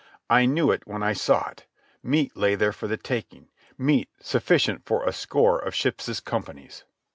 I knew it when I saw it—meat lay there for the taking, meat sufficient for a score of ships' companies.